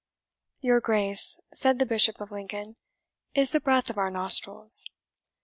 "Your Grace," said the Bishop of Lincoln, "is the breath of our nostrils."